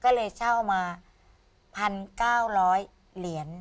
ก็เลยเช่ามา๑๙๐๐เหรียญ